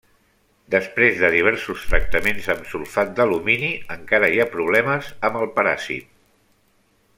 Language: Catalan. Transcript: Després de diversos tractaments amb sulfat d'alumini, encara hi ha problemes amb el paràsit.